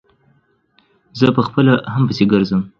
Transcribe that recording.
زه په خپله هم پسې ګرځم.